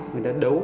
người thợ đấu